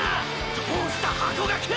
どうしたハコガク！！